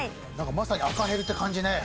まさに赤ヘルって感じね。